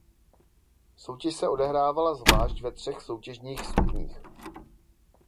Soutěž se odehrávala zvlášť ve třech soutěžních stupních.